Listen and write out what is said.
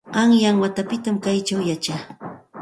Qanyan watapitam kaćhaw yachaa.